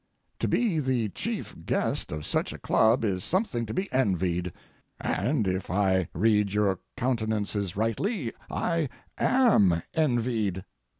To be the chief guest of such a club is something to be envied, and if I read your countenances rightly I am envied.